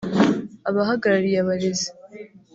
abahagarariye abarezi